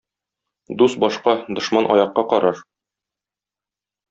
Дус башка, дошман аякка карар.